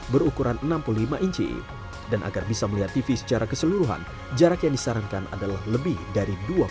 berukuran enam puluh lima inci dan agar bisa melihat tv secara keseluruhan jarak yang disarankan adalah lebih dari dua puluh